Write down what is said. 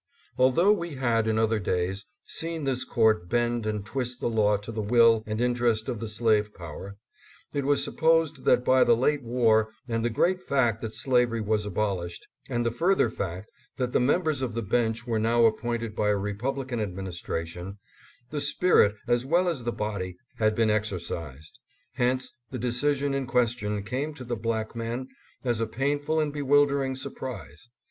Although we had, in other days, seen this court bend and twist the law to the will and interest of the slave power, it was supposed that by the late war and the great fact that slavery was abolished, and the further fact that the members of the bench were now appointed by a Republican administration, the spirit as well as the body had been exorcised. Hence the decision in ques tion came to the black man as a painful and bewilder ing surprise.